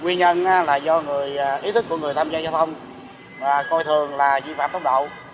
nguyên nhân là do ý thức của người tham gia giao thông và coi thường là vi phạm tốc độ